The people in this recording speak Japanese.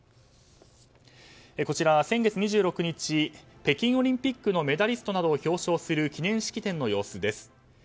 先月２６日、北京オリンピックのメダリストを表彰する記念式典の様子です。